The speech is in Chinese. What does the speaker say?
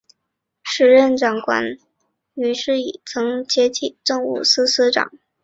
时任行政长官董建华于是以曾荫权接替政务司司长。